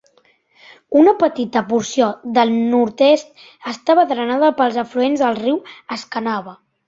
Una petita porció del nord-est està drenada pels afluents del riu Escanaba.